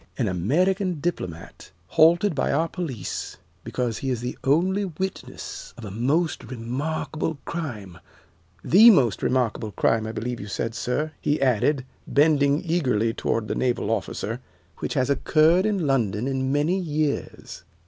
"An American diplomat halted by our police because he is the only witness of a most remarkable crime the most remarkable crime, I believe you said, sir," he added, bending eagerly toward the naval officer, "which has occurred in London in many years."